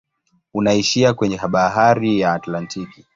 Unaishia kwenye bahari ya Atlantiki.